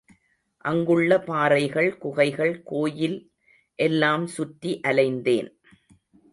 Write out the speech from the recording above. அங்குள்ள பாறைகள், குகைகள், கோயில் எல்லாம் சுற்றி அலைந்தேன்.